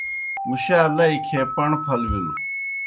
مُشا لئی کھیے پݨ پھل بِلوْ۔